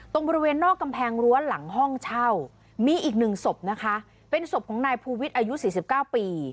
ตรงบริเวณนอกกำแพงรั้วหลังห้องเช่ามีอีกหนึ่งศพนะคะเป็นศพของนายภูวิทย์อายุ๔๙ปี